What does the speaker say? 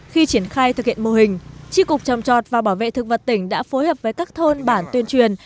khi triển khai thực hiện mô hình tri cục trồng trọt và bảo vệ thực vật tỉnh đã phối hợp với các thôn bản tuyên truyền